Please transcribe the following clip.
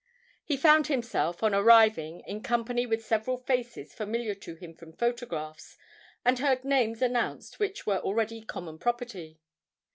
He found himself, on arriving, in company with several faces familiar to him from photographs, and heard names announced which were already common property.